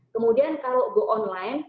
kemudian kalau go online